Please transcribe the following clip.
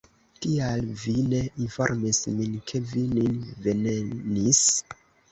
Kial vi ne informis min, ke vi nin venenis?